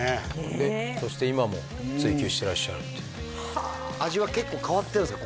でそして今も追求してらっしゃるっていう味は結構変わってるんですか？